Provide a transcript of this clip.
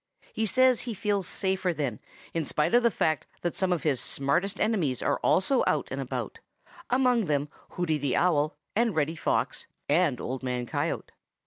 He says he feels safer then in spite of the fact that some of his smartest enemies are also out and about, among them Hooty the Owl and Reddy Fox and Old Man Coyote.